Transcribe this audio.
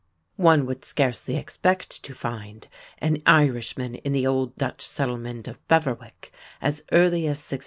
One would scarcely expect to find an Irishman in the old Dutch settlement of Beverwyck as early as 1645.